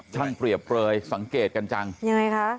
เปรียบเปลยสังเกตกันจังยังไงคะ